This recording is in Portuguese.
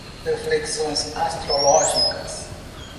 Reflexões astrológicas